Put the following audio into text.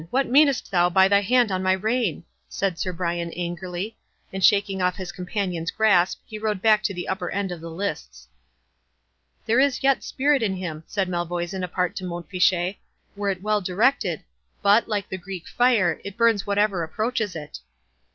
what meanest thou by thy hand on my rein?" said Sir Brian, angrily. And shaking off his companion's grasp, he rode back to the upper end of the lists. "There is yet spirit in him," said Malvoisin apart to Mont Fitchet, "were it well directed—but, like the Greek fire, it burns whatever approaches it."